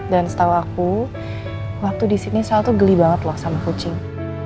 dan setau aku waktu di sydney sal tuh geli banget loh sama kucing